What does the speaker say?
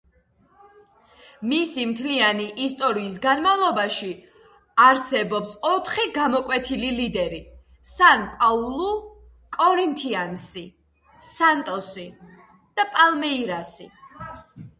მისი მთლიანი ისტორიის განმავლობაში არსებობს ოთხი გამოკვეთილი ლიდერი: „სან-პაულუ“, „კორინთიანსი“, „სანტოსი“ და „პალმეირასი“.